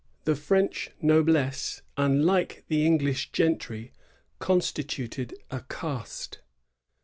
The French noblesse, unlike the English gentry, constituted a caste.